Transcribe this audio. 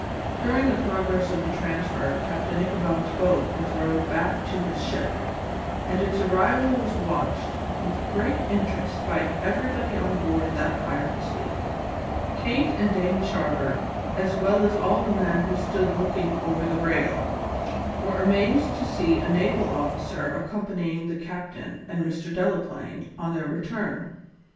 During the progress of the transfer Captain Ichabod's boat was rowed back to his ship, and its arrival was watched with great interest by everybody on board that pirate sloop. Kate and Dame Charter, as well as all the men who stood looking over the rail, were amazed to see a naval officer accompanying the captain and Mr. Delaplaine on their return.